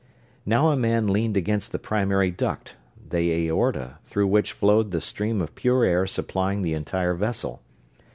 Now a man leaned against the primary duct the aorta through which flowed the stream of pure air supplying the entire vessel.